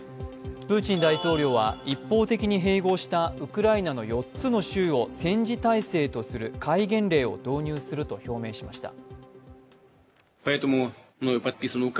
プーチン大統領は、一方的に併合したウクライナの４つの州を戦時体制とする戒厳令を導入すると表明しました。